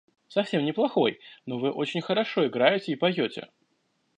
– Совсем не плохой, но вы очень хорошо играете и поете.